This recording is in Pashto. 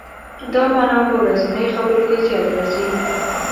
دا معنا په ورځنیو خبرو کې زیات راځي.